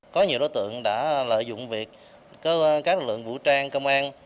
có nhiều đối tượng đã lợi dụng việc các lực lượng vũ trang công an